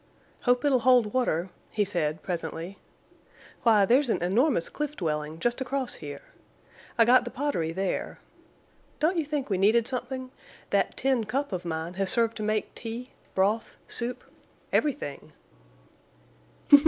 "Hope it'll hold water," he said, presently. "Why, there's an enormous cliff dwelling just across here. I got the pottery there. Don't you think we needed something? That tin cup of mine has served to make tea, broth, soup—everything."